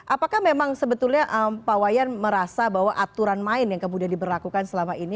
apakah memang sebetulnya pak wayan merasa bahwa aturan main yang kemudian diberlakukan selama ini